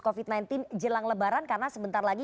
covid sembilan belas jelang lebaran karena sebentar lagi